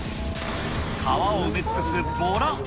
川を埋め尽くすボラ。